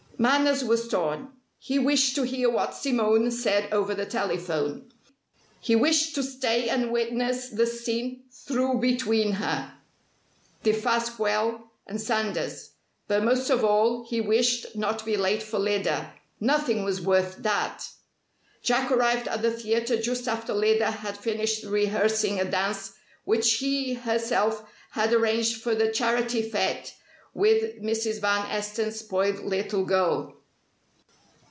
Manners was torn. He wished to hear what Simone said over the telephone. He wished to stay and witness the scene through between her, Defasquelle, and Sanders. But most of all he wished not to be late for Lyda. Nothing was worth that! Jack arrived at the theatre just after Lyda had finished rehearsing a dance which she herself had arranged for the charity fête with Mrs. Van Esten's spoiled little girl.